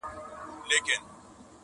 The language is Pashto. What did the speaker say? چي غمزه غمزه راګورې څه نغمه نغمه ږغېږې.